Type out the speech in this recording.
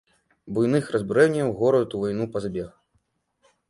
Буйных разбурэнняў горад у вайну пазбег.